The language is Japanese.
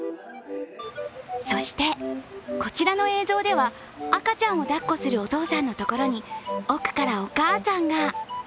そして、こちらの映像では、赤ちゃんを抱っこするお父さんのところに奥からお母さんが。